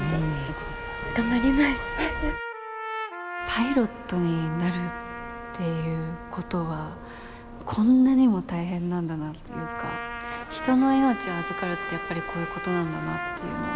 パイロットになるっていうことはこんなにも大変なんだなっていうか人の命を預かるってやっぱりこういうことなんだなっていうのは。